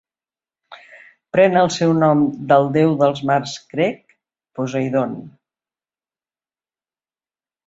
Pren el seu nom del Déu dels mars grec, Poseidon.